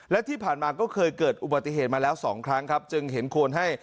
และที่ผ่านมาก็เคยเกิดอุบัติเหตุมาแล้วสองครั้งครับจึงเห็นควรให้